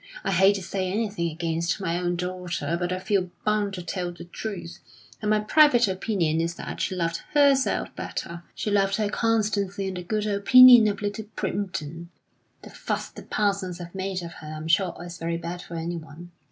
I hate to say anything against my own daughter, but I feel bound to tell the truth, and my private opinion is that she loved herself better. She loved her constancy and the good opinion of Little Primpton; the fuss the Parsons have made of her I'm sure is very bad for anyone.